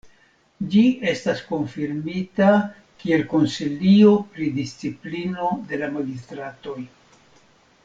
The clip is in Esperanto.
Ĝi estas konfirmita kiel konsilio pri disciplino de la magistratoj.